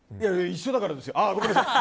一緒だからですよ！